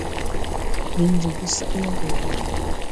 Men jobo sad moge wà.